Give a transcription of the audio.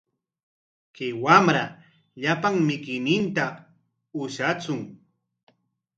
Chay wamra llapan mikuyninta ushatsun.